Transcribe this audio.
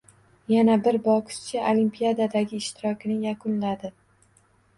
Yana bir bokschi Olimpiadadagi ishtirokini yakunladi